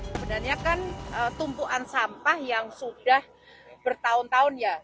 sebenarnya kan tumpukan sampah yang sudah bertahun tahun ya